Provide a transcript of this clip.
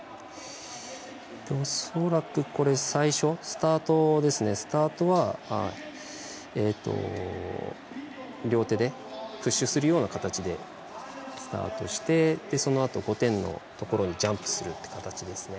恐らく、最初スタートは両手でプッシュするような形でスタートしてそのあと５点のところにジャンプするっていう形ですね。